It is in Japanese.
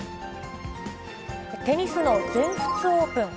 テニスの全仏オープン。